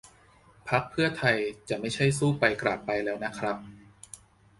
พรรคเพื่อไทยจะไม่ใช่สู้ไปกราบไปแล้วนะครับ